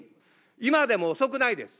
今でも遅くないです。